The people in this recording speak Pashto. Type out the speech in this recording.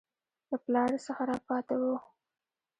له پلاره څه راپاته وو.